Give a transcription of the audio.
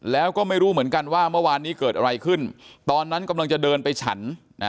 แล้วก็ไม่รู้เหมือนกันว่าเมื่อวานนี้เกิดอะไรขึ้นตอนนั้นกำลังจะเดินไปฉัน